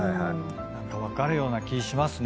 何か分かるような気しますね。